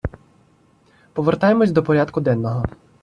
Повертаємось до порядку денного.